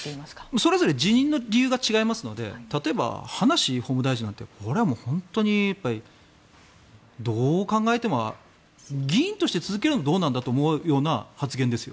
それぞれ辞任の理由が違いますので例えば、葉梨法務大臣なんてこれはもう本当に、どう考えても議員として続けるのもどうなんだと思うような発言ですよ。